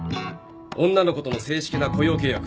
女の子との正式な雇用契約